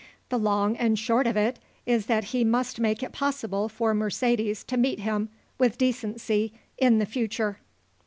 "The long and short of it is that he must make it possible for Mercedes to meet him, with decency, in the future."